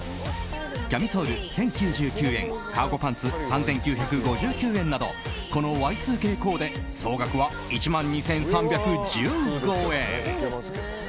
キャミソール、１０９９円カーゴパンツ、３９５９円などこのＹ２Ｋコーデ総額は１万２３１５円。